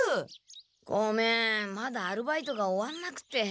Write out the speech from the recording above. ごめんまだアルバイトが終わんなくて。